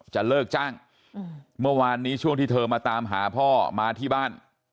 จะเลิกจ้างเมื่อวานนี้ช่วงที่เธอมาตามหาพ่อมาที่บ้าน